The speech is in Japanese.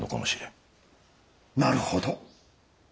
なるほど。